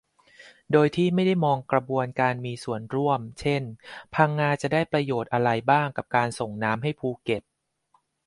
โดยที่ไม่ได้มองกระบวนการมีส่วนร่วม เช่น พังงาจะได้ประโยชน์อะไรบ้างกับการส่งน้ำให้ภูเก็ต